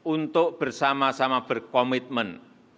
untuk bersama sama berkomitmen